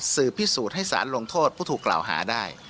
พิสูจน์ให้สารลงโทษผู้ถูกกล่าวหาได้